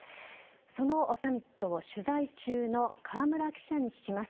そのサミットを取材中の河村記者に聞きます。